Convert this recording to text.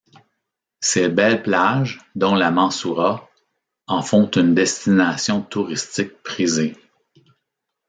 Ses belles plages, dont La Mansoura, en font une destination touristique prisée.